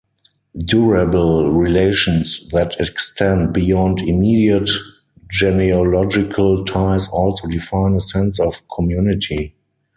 Durable relations that extend beyond immediate genealogical ties also define a sense of community.